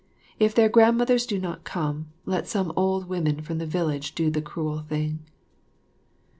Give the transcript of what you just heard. If their grandmothers do not come, let some old women from the village do the cruel thing."